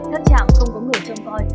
các trạm không có người châm coi